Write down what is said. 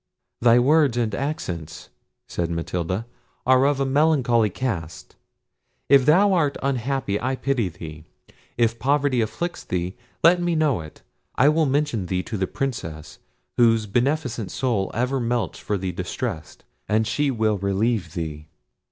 "Thy words and accents," said Matilda, "are of melancholy cast; if thou art unhappy, I pity thee. If poverty afflicts thee, let me know it; I will mention thee to the Princess, whose beneficent soul ever melts for the distressed, and she will relieve thee."